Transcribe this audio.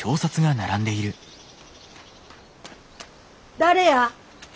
誰や？